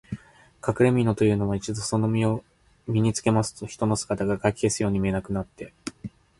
かくれみのというのは、一度そのみのを身につけますと、人の姿がかき消すように見えなくなって、